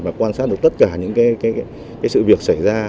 và quan sát được tất cả những sự việc xảy ra